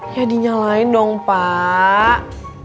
ya dinyalain dong pak